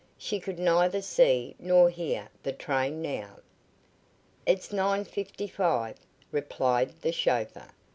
She could neither see nor hear the train now. "It's nine fifty five," replied the chauffeur.